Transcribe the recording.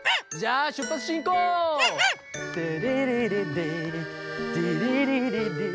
テレレレーテレレレー